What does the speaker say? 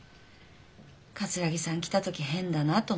桂木さん来た時変だなと思ったんだ。